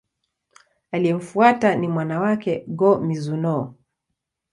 Aliyemfuata ni mwana wake, Go-Mizunoo.